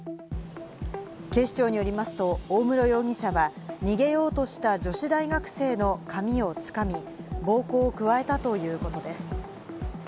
警視庁によりますと大室容疑者は逃げようとした女子大学生の髪をつかみ、暴行を加えたということです。